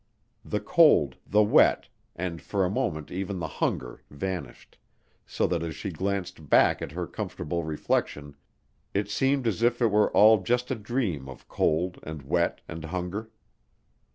The cold, the wet, and for a moment even the hunger vanished, so that as she glanced back at her comfortable reflection it seemed as if it were all just a dream of cold and wet and hunger.